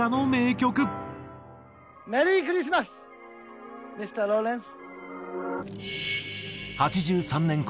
メリークリスマスミスターローレンス。